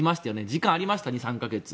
時間がありました、２３か月。